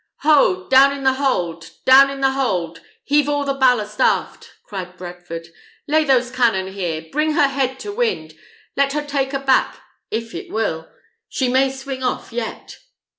"Ho! down in the hold! down in the hold! heave all the ballast aft!" cried Bradford; "lay those cannon here; bring her head to wind, let it take her aback if it will. She may swing off yet."